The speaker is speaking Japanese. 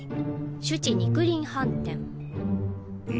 酒池肉林飯店。